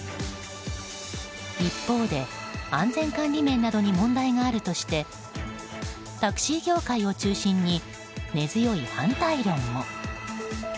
一方で、安全管理面などに問題があるとしてタクシー業界を中心に根強い反対論も。